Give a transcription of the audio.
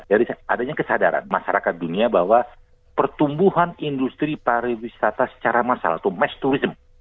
jadi adanya kesadaran masyarakat dunia bahwa pertumbuhan industri pariwisata secara masalah atau mesturism